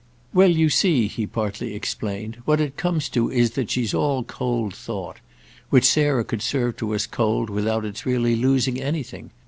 "Well, you see," he partly explained, "what it comes to is that she's all cold thought—which Sarah could serve to us cold without its really losing anything.